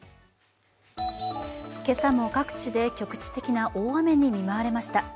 今朝も各地で局地的な大雨に見舞われました。